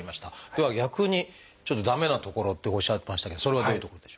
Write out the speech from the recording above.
では逆にちょっと駄目なところっておっしゃいましたけどそれはどういうところでしょう？